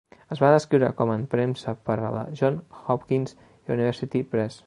Es va descriure com en premsa per la Johns Hopkins University Press.